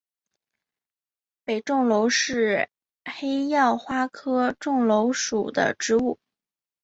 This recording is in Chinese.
北重楼是黑药花科重楼属的植物。